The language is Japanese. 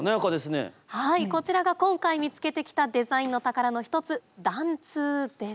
はいこちらが今回見つけてきたデザインの宝の一つ緞通です。